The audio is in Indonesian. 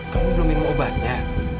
kamu belum minum obatnya